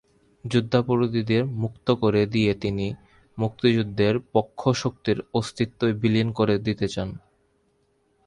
যুদ্ধাপরাধীদের মুক্ত করে দিয়ে তিনি মুক্তিযুদ্ধের পক্ষশক্তির অস্তিত্বই বিলীন করে দিতে চান।